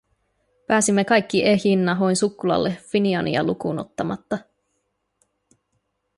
Pääsimme kaikki ehjin nahoin sukkulalle Finiania lukuun ottamatta.